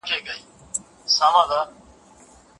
زور لري چي ځان کبابولای سي